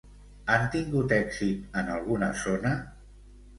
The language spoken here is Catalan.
Han tingut èxit en alguna zona?